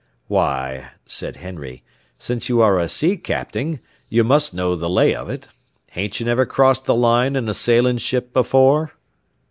"Why," said Henry, "since you are a sea capting, you must know the lay of it. Hain't you never crossed the line in a sailin' ship before?"